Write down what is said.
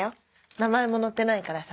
名前も載ってないからさ。